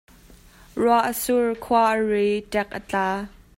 Ruah a sur, khua a ri, tek a tla.